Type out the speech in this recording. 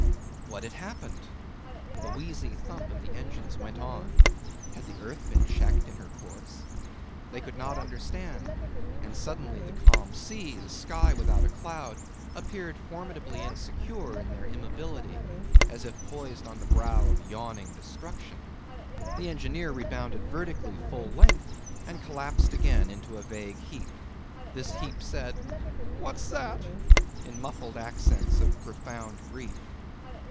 What had happened? The wheezy thump of the engines went on. Had the earth been checked in her course? They could not understand; and suddenly the calm sea, the sky without a cloud, appeared formidably insecure in their immobility, as if poised on the brow of yawning destruction. The engineer rebounded vertically full length and collapsed again into a vague heap. This heap said 'What's that?' in the muffled accents of profound grief.